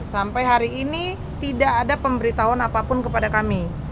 sampai hari ini tidak ada pemberitahuan apapun kepada kami